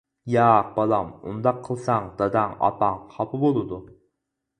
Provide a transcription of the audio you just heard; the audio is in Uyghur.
-ياق بالام، ئۇنداق قىلساڭ داداڭ، ئاپاڭ خاپا بولىدۇ.